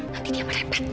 nanti dia merebak